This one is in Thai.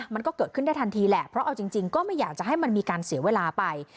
มันก็เกิดขึ้นได้ทันทีแหละเพราะเอาจริงก็ไม่อยากจะให้มันมีการเสียเวลาไป